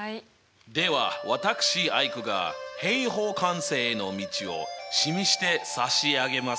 では私アイクが平方完成への道を示してさしあげます。